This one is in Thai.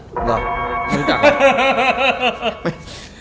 นึกจัง